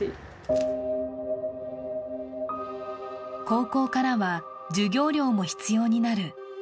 高校からは授業料も必要になる。